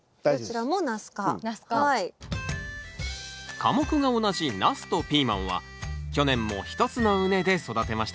科目が同じナスとピーマンは去年も１つの畝で育てましたね